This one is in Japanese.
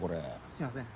すみません。